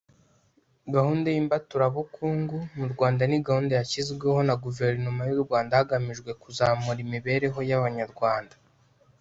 Gahunda y’imbaturabukungu mu Rwanda ni gahunda yashyizweho na Guverinoma y’u Rwanda hagamijwe kuzamura imibereho y’abanyarwanda